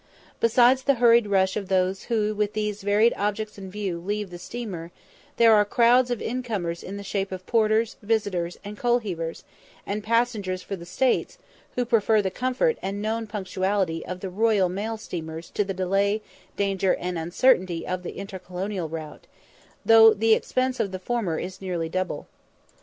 Besides the hurried rush of those who with these varied objects in view leave the steamer, there are crowds of incomers in the shape of porters, visitors, and coalheavers, and passengers for the States, who prefer the comfort and known punctuality of the Royal Mail steamers to the delay, danger, and uncertainty of the intercolonial route, though the expense of the former is nearly double.